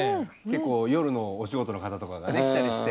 結構夜のお仕事の方とかがね来たりして。